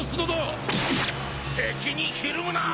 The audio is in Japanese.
敵にひるむな！